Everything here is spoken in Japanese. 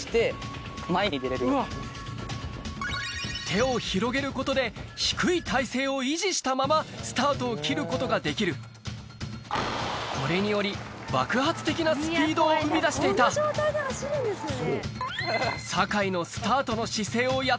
手を広げることで低い体勢を維持したままスタートを切ることができるこれによりを生み出していたウソをつけ！